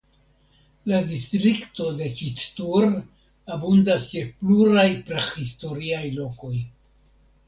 La distrikto de Ĉittur abundas je pluraj prahistoriaj lokoj.